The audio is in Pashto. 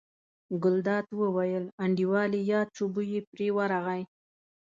ګلداد وویل: انډیوال یې یاد شو، بوی یې پرې ورغی.